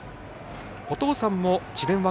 お父さんも智弁